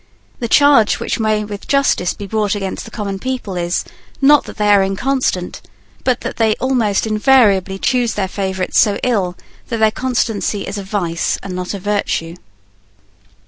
The charge which may with justice be brought against the common people is, not that they are inconstant, but that they almost invariably choose their favourite so ill that their constancy is a vice and not a virtue.